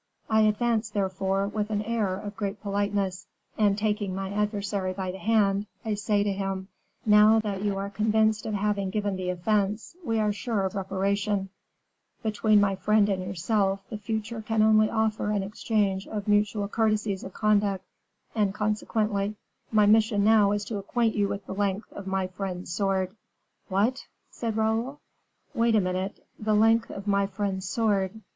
I advance, therefore, with an air of great politeness, and taking my adversary by the hand, I say to him: 'Now that you are convinced of having given the offense, we are sure of reparation; between my friend and yourself, the future can only offer an exchange of mutual courtesies of conduct, and consequently, my mission now is to acquaint you with the length of my friend's sword.'" "What!" said Raoul. "Wait a minute. 'The length of my friend's sword.